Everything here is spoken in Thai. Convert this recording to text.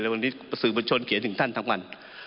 วันนี้สื่อบัญชนเขียนถึงท่านทั้งวัน